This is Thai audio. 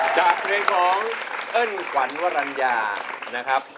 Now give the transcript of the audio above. จากเพลงของเอิ้นขวัญวรรณญานะครับ